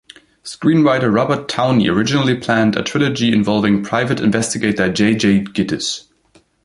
Screenwriter Robert Towne originally planned a trilogy involving private investigator J. J. Gittes.